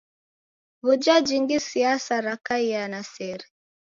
W'uja jingi siasa rakaiaa na sere?